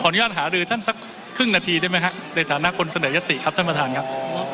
อนุญาตหารือท่านสักครึ่งนาทีได้ไหมฮะในฐานะคนเสนอยติครับท่านประธานครับ